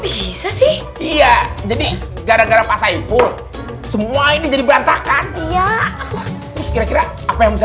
bisa sih iya jadi garam garam pak saiful semua ini jadi berantakan ya terus kira kira apa yang bisa